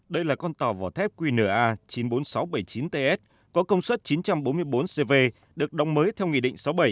đây là con tàu vỏ thép qna chín mươi bốn nghìn sáu trăm bảy mươi chín ts có công suất chín trăm bốn mươi bốn cv được đóng mới theo nghị định sáu mươi bảy